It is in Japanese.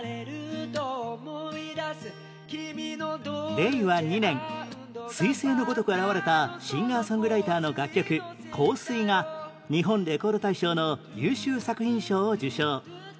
令和２年彗星のごとく現れたシンガー・ソングライターの楽曲『香水』が日本レコード大賞の優秀作品賞を受賞